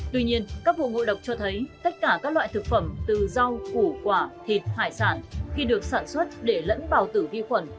tuy nhiên các vụ ngộ độc cho thấy tất cả các loại thực phẩm từ rau củ quả thịt hải sản khi được sản xuất để lẫn vào tử vi khuẩn